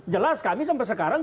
jelas kami sampai sekarang